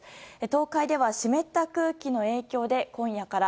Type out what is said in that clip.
東海では湿った空気の影響で今夜から。